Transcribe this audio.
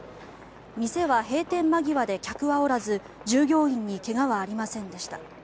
店は閉店間際で客はおらず従業員に怪我はありませんでした。